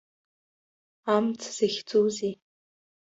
Амц захьӡузеи?